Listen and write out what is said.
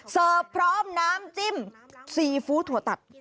พร้อมน้ำจิ้มซีฟู้ดถั่วตัด